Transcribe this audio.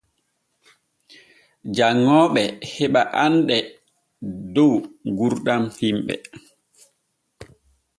Janŋooɓe heɓa anɗe dow gurdam himɓe.